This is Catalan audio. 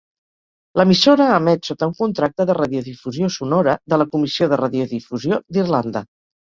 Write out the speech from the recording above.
L'emissora emet sota un contracte de radiodifusió sonora de la Comissió de Radiodifusió d'Irlanda.